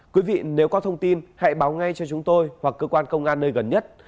quý vị nếu có thông tin hãy báo ngay cho chúng tôi hoặc cơ quan công an nơi gần nhất